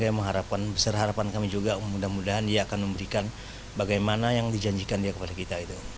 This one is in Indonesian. saya mengharapkan besar harapan kami juga mudah mudahan dia akan memberikan bagaimana yang dijanjikan dia kepada kita